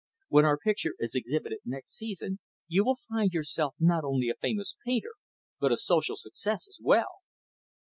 When our picture is exhibited next season, you will find yourself not only a famous painter, but a social success as well."